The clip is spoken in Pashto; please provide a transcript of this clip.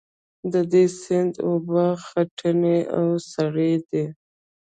د دې سیند اوبه خټینې او سرې دي.